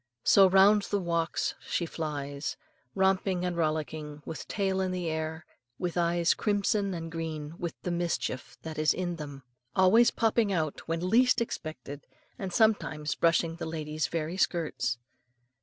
So round the walks she flies, romping and rollicking, with tail in the air, and eyes crimson and green with the mischief that is in them; always popping out when least expected, and sometimes brushing the lady's very skirts.